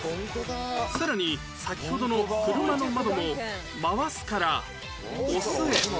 さらに先ほどの車の窓も回すから押すへ